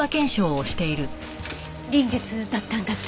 臨月だったんだって？